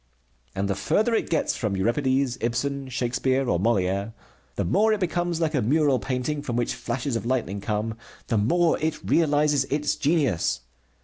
And the further it gets from Euripides, Ibsen, Shakespeare, or Molière the more it becomes like a mural painting from which flashes of lightning come the more it realizes its genius.